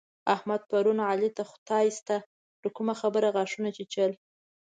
احمد پرون علي ته خداسته پر کومه خبره غاښونه چيچل.